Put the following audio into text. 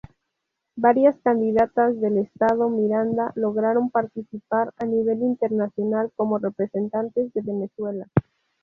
Varias candidatas del estado Miranda lograron participar a nivel internacional como representantes de Venezuela.